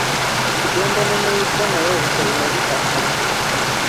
Kugenda ne muyigga naye obusolo ne butafa.